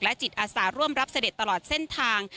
จิตอาสาร่วมรับเสด็จตลอดเส้นทาง